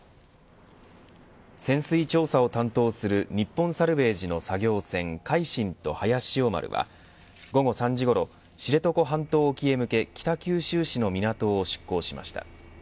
潜水調査を担当する日本サルヴェージの作業船海進と早潮丸は午後３時ごろ知床半島沖へ向け北九州市の港を出港しました。